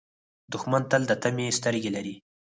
دښمن تل د طمعې سترګې لري